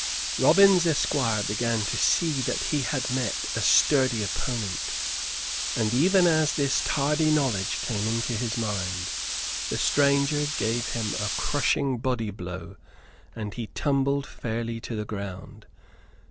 Robin's esquire began to see that he had met a sturdy opponent, and even as this tardy knowledge came into his mind, the stranger gave him a crushing body blow, and he tumbled fairly to the ground.